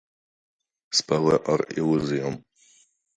Spēle ar ilūzijām.